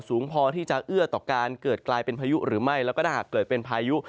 สูงพอที่จะเอื้อต่อการเกิดกลายเป็นพายุหรือไม่แล้วก็ถ้าหากเกิดเป็นพายุ